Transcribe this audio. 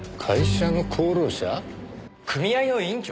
組合の委員長？